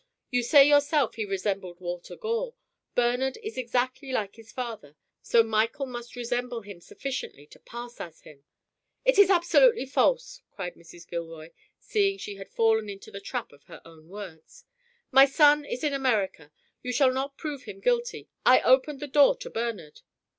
"You say yourself he resembled Walter Gore. Bernard is exactly like his father, so Michael must resemble him sufficiently to pass as him." "It is absolutely false!" cried Mrs. Gilroy, seeing she had fallen into the trap of her own words. "My son is in America. You shall not prove him guilty. I opened the door to Bernard."